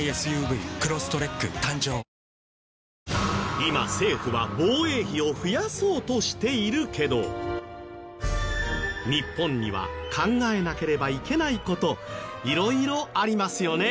今政府は防衛費を増やそうとしているけど日本には考えなければいけない事いろいろありますよね。